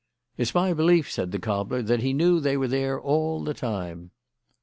"It's my belief," said the cobbler, "that he knew they were there all the time."